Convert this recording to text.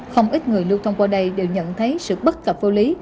không ít người lưu thông qua đây đều nhận thấy sự bất cập vô lý